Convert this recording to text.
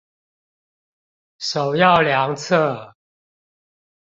首要良策